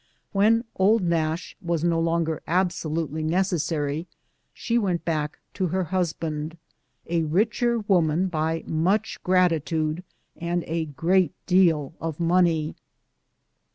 When "Old Nash" was no longer absolutely necessary she went back to her husband — a richer woman by much gratitude and a great deal of money.